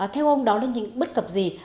theo ông đó là những bất cập gì